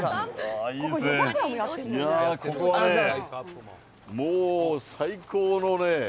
いやぁ、ここはね、もう最高のね。